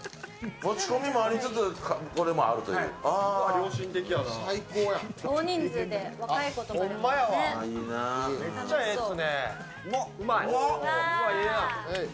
持ち込みもありつつ、これもあるという。